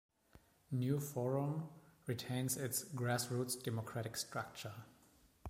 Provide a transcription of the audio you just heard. New Forum retains its grass-roots democratic structure.